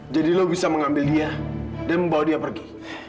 jadi lo bisa mengambil dia dan membawa dia pergi